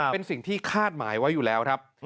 เป็นสิ่งที่คาดหมายไว้อยู่แล้วครับ